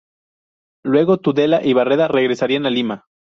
Luego, Tudela y Barreda regresaría a Lima.